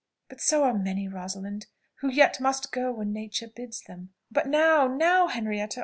But so are many, Rosalind, who yet must go when nature bids them." "But now, now Henrietta!